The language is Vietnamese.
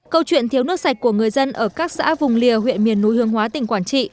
câu chuyện thiếu nước sạch của người dân ở các xã vùng lìa huyện miền núi hương hóa tỉnh quảng trị